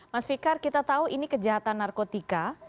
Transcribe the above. mas fikar kita tahu ini kejahatan narkotika